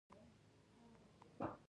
خیر د ژمي همدا شپې او ورځې وې.